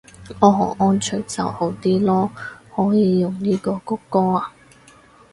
哦安卓就好啲囉，可以用呢個穀歌啊